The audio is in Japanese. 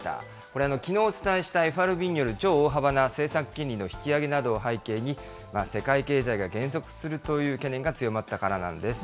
これ、きのうお伝えしたＦＲＢによる超大幅な政策金利の引き上げなどを背景に、世界経済が減速するという懸念が強まったからなんです。